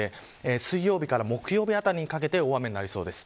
水曜日から木曜日あたりにかけて大雨になりそうです。